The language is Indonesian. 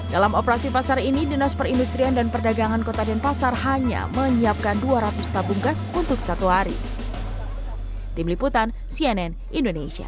dalam operasi pasar ini dinas perindustrian dan perdagangan kota denpasar hanya menyiapkan dua ratus tabung gas untuk satu hari